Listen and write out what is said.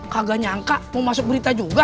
kagak nyangka mau masuk berita juga